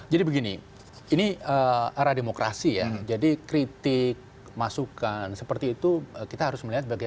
jadi begini ini arah demokrasi ya jadi kritik masukan seperti itu kita harus melihat sebagai